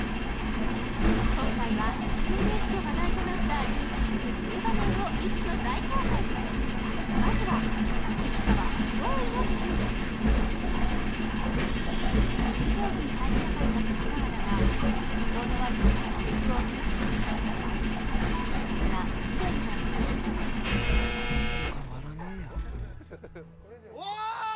今回はＳＮＳで話題となった「ＲＯＯＫＩＥＳ」名場面を一挙大公開まずは陸上部に入りたかった関川だが素行の悪さから入部を拒否されたそんな未練が残る中何も変わらねえよおお！